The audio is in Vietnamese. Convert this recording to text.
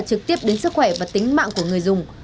trực tiếp đến sức khỏe và tính mạng của người dùng